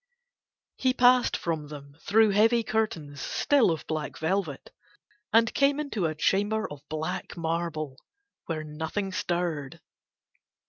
He passed from them through heavy curtains still of black velvet and came into a chamber of black marble where nothing stirred.